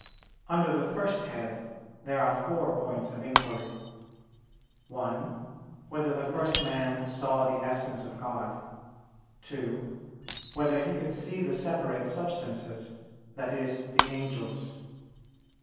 Under the first head there are four points of inquiry: (1) Whether the first man saw the Essence of God? (2) Whether he could see the separate substances, that is, the angels?